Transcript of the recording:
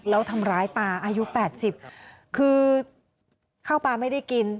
แล้วทำร้ายตาอายุ๘๐คือข้าวปลาไม่ได้กิน